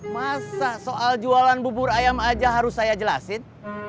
masa soal jualan bubur ayam aja harus saya jelasin